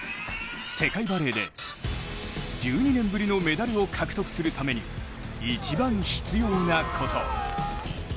世界バレーで１２年ぶりのメダルを獲得するために一番必要なこと。